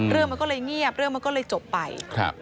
เรื่องมันก็เลยเงียบเรื่องมันก็เลยจบไป